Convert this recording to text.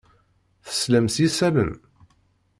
Teslam s yisallen?